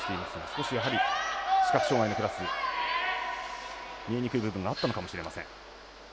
少し、やはり視覚障がいのクラス見えにくい部分があったのかもしれません。